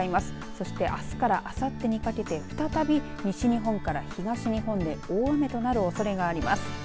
そしてあすからあさってにかけて再び西日本から東日本で大雨となるおそれがあります。